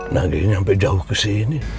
nanggirnya sampe jauh kesini